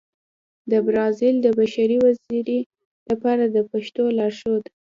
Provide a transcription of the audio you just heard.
د برازيل د بشري ویزې لپاره د پښتو لارښود